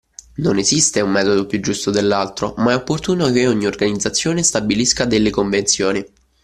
Non esiste un metodo più giusto dell’altro, ma è opportuno che ogni organizzazione stabilisca delle convenzioni